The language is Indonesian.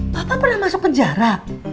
papa pernah masuk penjara